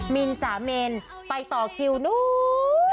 มินจ๋าเมนไปต่อคิวนู้น